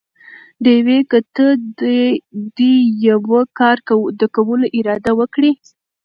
ډېوې!! که ته دې يوه کار د کولو اراده وکړي؟